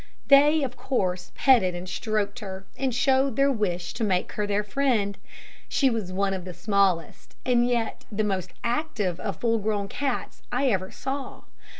They, of course, petted and stroked her, and showed their wish to make her their friend. She was one of the smallest, and yet the most active of full grown cats I ever saw.